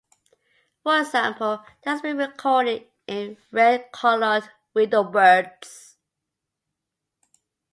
For example, it has been recorded in red-collared widowbirds.